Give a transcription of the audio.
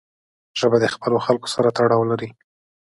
ژبه د خپلو خلکو سره تړاو لري